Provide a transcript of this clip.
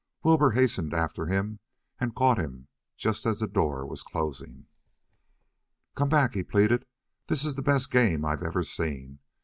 Wilbur hastened after him and caught him just as the door was closing. "Come back," he pleaded. "This is the best game I've ever seen.